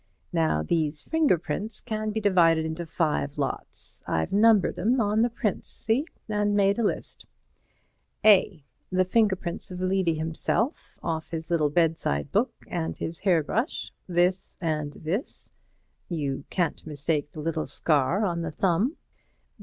Now these finger prints can be divided into five lots. I've numbered 'em on the prints—see?—and made a list: "A. The finger prints of Levy himself, off his little bedside book and his hairbrush—this and this—you can't mistake the little scar on the thumb.